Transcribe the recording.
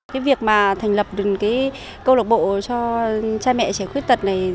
cái việc mà thành lập cái câu lạc bộ cho cha mẹ trẻ khuyết tật này